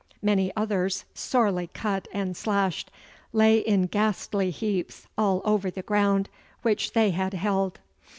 Many others, sorely cut and slashed, lay in ghastly heaps all over the ground which they had held.